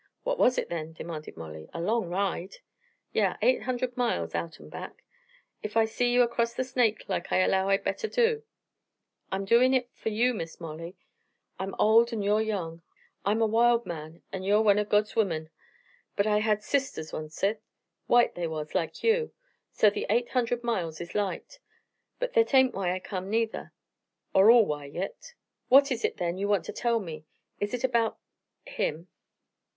"What was it then?" demanded Molly. "A long ride!" "Yeh. Eight hunderd mile out an' back, ef I see ye across the Snake, like I allow I'd better do. I'm doin' hit fer you, Miss Molly. I'm ol' an' ye're young; I'm a wild man an' ye're one o' God's wimern. But I had sisters oncet white they was, like you. So the eight hunderd mile is light. But thet ain't why I come, neither, or all why, yit." "What is it then you want to tell me? Is it about him?"